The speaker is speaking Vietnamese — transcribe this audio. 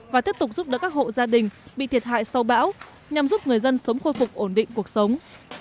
và tiếp tục giúp đỡ các hộ gia đình bị thiệt hại sau bão nhằm giúp người dân sớm khôi phục ổn định cuộc sống